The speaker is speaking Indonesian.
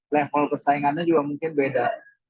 level persaingannya juga mungkin beda